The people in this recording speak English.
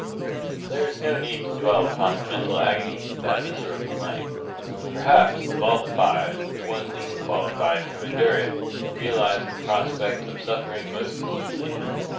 There is no need to dwell upon the mental agonies of that miserable night. Perhaps, of all the five, the one least qualified to endure it realized the prospect of suffering most acutely.